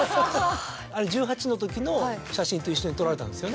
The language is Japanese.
あれ１８のときの写真と一緒に撮られたんですよね？